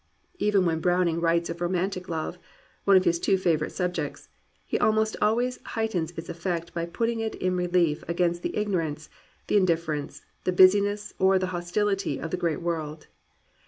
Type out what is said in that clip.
Even when Browning writes of romantic love, (one of his two favourite subjects), he almost always heightens its effect by putting it in relief against the ignorance, the indifference, the busyness, or the hostility of the great world.